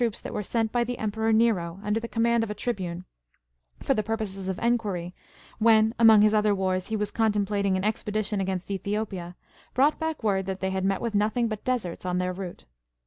99 that were sent by the Emperor Xero ^ under the command of a tribune, for the purposes of enquiry, when, among his other wars, he was contemplating an expedition against Ethiopia, brought back word that they had met with nothing but deserts on their route.